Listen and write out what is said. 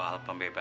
nggak mau ngehajar